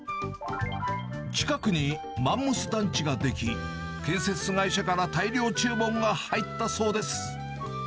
近くにマンモス団地が出来、建設会社から大量注文が入ったそうです。